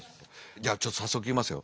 じゃあちょっと早速いきますよ。